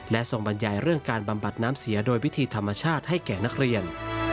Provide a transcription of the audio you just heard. และส่งบรรยายเรื่องการบำบัดน้ำเสียโดยวิธีธรรมชาติให้แก่นักเรียน